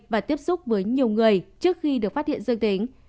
và tiếp xúc với nhiều người trước khi được phát hiện dương tính